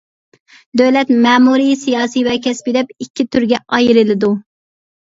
دۆلەت مەمۇرىي سىياسىي ۋە كەسپىي دەپ ئىككى تۈرگە ئايرىلىدۇ.